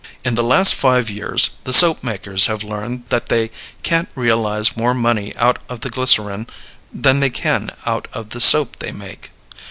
In the last five years the soap makers have learned that they can realize more money out of the glycerin than they can out of the soap they make.